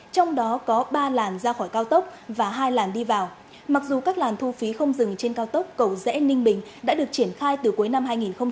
trong đó có ba làn ra khỏi cao tốc và hai làn đi vào mặc dù các làn thu phí không dừng trên cao tốc cầu rẽ ninh bình đã được triển khai từ cuối năm hai nghìn một mươi tám